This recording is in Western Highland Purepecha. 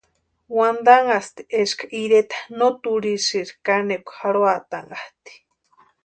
Wantanhasti eska iretanha no turhisïri kanekwa jarhoatanhati.